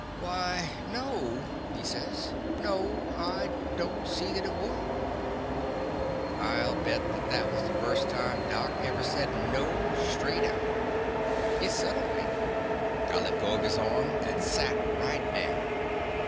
"Why, no," he says, "no! I don't see that it would." I '11 bet that thkt was the first time Doc ever said "No" straight out. It settled me. I let go of his arm and sat right down.